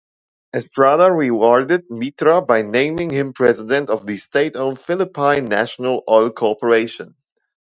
Estrada rewarded Mitra by naming him president of the state-owned Philippine National Oil Corporation.